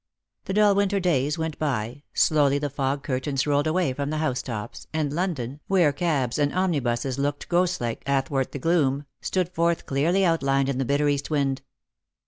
The dull winter days went by, slowly the fog curtains rolled away from the house tops, and London, which had been a kind of cloudland, where cabs and omnibuses loomed ghostlike athwart the gloom, stood forth clearly outlined in the bitter east wind.